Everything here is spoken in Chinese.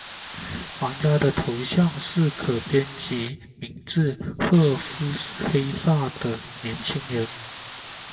玩家的头像是可编辑名字的褐肤黑发的年轻人。